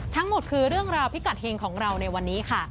ทั้งหมดคือเรื่องราวพิกัดเฮงของเราในวันนี้ค่ะ